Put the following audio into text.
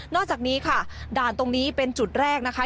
อกจากนี้ค่ะด่านตรงนี้เป็นจุดแรกนะคะ